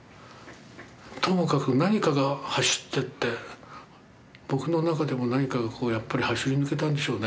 ともかく何かが走ってって僕の中でも何かがこうやっぱり走り抜けたんでしょうね。